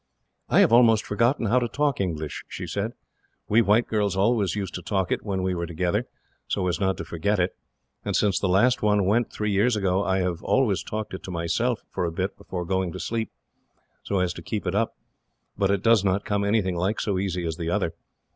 "I have almost forgotten how to talk English," she said. "We white girls always used to talk it, when we were together, so as not to forget it; and since the last one went, three years ago, I have always talked it to myself, for a bit, before going to sleep, so as to keep it up; but it does not come anything like so easy as the other.